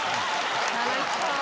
楽しそう。